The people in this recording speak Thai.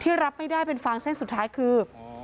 รับไม่ได้เป็นฟางเส้นสุดท้ายคือ